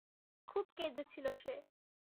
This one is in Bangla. খুব কেঁদেছিল সে।